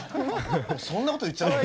そんな事言っちゃうの？